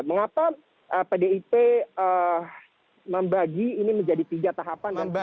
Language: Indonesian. mengapa pdip membagi ini menjadi tiga tahapan dan semuanya